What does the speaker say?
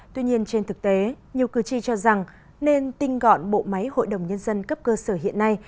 tuy nhiên trên thực tế nhiều cử tri cho rằng nên tinh gọn bộ máy hội đồng nhân dân cấp cơ sở hiện nay